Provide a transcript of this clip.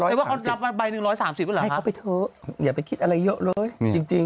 เขารับมาในใบ๑๓๐บาทหรือเปล่าครับให้เขาไปเถอะอย่าไปคิดอะไรเยอะเลยจริง